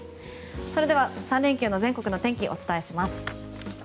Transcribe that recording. それでは、３連休の全国の天気お伝えします。